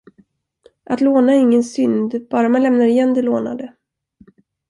Att låna är ingen synd, bara man lämnar igen det lånade.